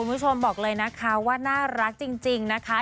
บอกเลยนะคะว่าน่ารักจริงนะคะ